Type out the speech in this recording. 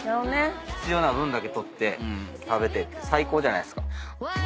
必要な分だけ取って食べてって最高じゃないですか。